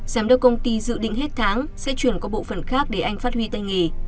giám đốc công ty dự định hết tháng sẽ chuyển qua bộ phần khác để anh phát huy tay nghề